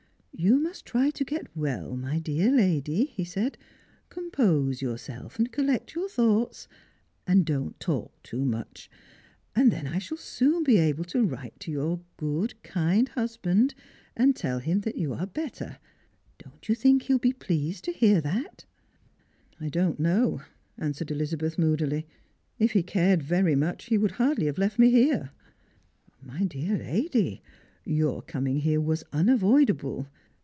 " You must try to get well, my dear lady," he said ;" compose yourself, and collect your thoughts, and don't talk too much. And then I shall soon be able to write to your good kind husband and tell him you are better. Don't you tliink he'll be very pleased to hear that P" " I don't know," answered Elizabeth moodily; "if he cared very much he would hardly have left me here." " My dear lady, your coming here was unavoidable.